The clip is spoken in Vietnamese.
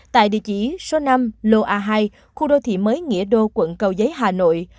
tại địa chỉ số năm lô a hai khu đô thị mới nghĩa đô quận cầu giấy hà nội